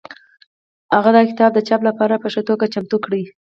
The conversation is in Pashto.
هغه دا کتاب د چاپ لپاره په ښه توګه چمتو کړ.